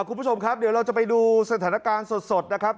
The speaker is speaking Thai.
คุณผู้ชมครับเดี๋ยวเราจะไปดูสถานการณ์สดนะครับ